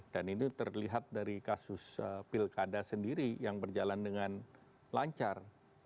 dan ini terlihat dari kasus pilkada sendiri yang berjalan dengan lancar